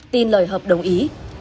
tin lời hợp đồng ý